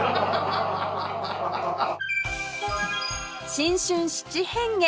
新春七変化